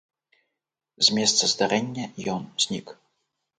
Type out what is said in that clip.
З месца здарэння ён знік.